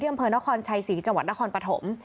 อำเภอนครชัยศรีจังหวัดนครปฐม